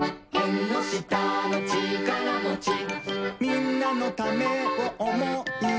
「みんなのためをおもう」